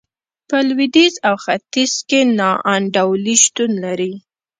په لوېدیځ او ختیځ کې نا انډولي شتون لري.